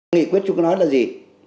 nghị quyết chúng ta nói là gì